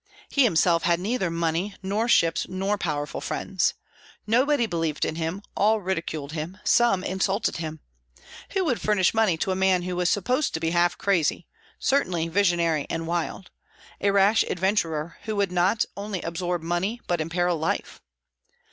He himself had neither money, nor ships, nor powerful friends. Nobody believed in him; all ridiculed him; some insulted him. Who would furnish money to a man who was supposed to be half crazy, certainly visionary and wild; a rash adventurer who would not only absorb money but imperil life?